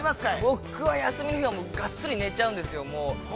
僕は、休みの日、がっつり寝ちゃうんですよ。